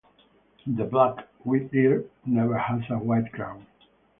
The black wheatear never has a white crown.